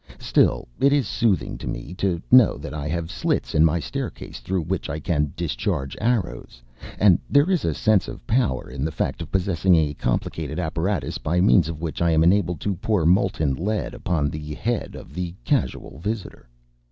Still, it is soothing to me to know that I have slits in my staircase through which I can discharge arrows: and there is a sense of power in the fact of possessing a complicated apparatus by means of which I am enabled to pour molten lead upon the head of the casual visitor.